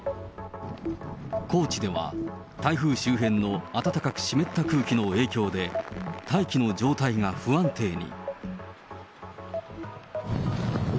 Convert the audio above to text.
高知では、台風周辺の暖かく湿った空気の影響で、大気の状態が不安定に。